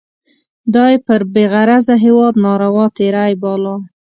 دا یې پر بې غرضه هیواد ناروا تېری باله.